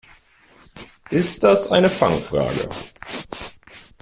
Ist das eine Fangfrage?